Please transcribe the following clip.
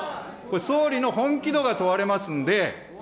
総理の本気度が問われますんで。